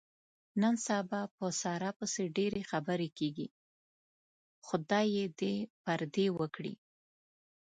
نن سبا په ساره پسې ډېرې خبرې کېږي. خدای یې دې پردې و کړي.